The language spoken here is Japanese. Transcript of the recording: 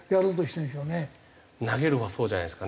投げるほうはそうじゃないですかね。